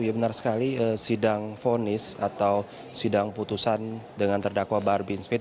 ya benar sekali sidang fonis atau sidang putusan dengan terdakwa bahar bin smith